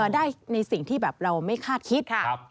ได้ในสิ่งที่แบบเราไม่คาดคิดค่ะ